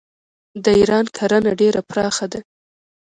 د ایران کرنه ډیره پراخه ده.